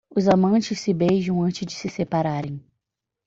Os amantes se beijam antes de se separarem.